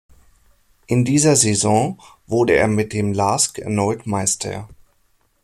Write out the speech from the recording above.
In dieser Saison wurde er mit dem Lask erneut Meister.